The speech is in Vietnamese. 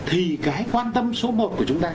thì cái quan tâm số một của chúng ta